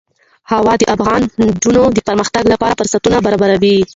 هوا د افغان نجونو د پرمختګ لپاره فرصتونه برابروي.